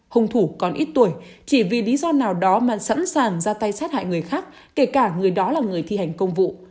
hùng thủ còn ít tuổi chỉ vì lý do nào đó mà sẵn sàng ra tay sát hại người khác kể cả người đó là người thi hành công vụ